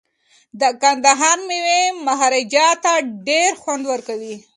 د کندهار میوې مهاراجا ته ډیر خوند ورکوي.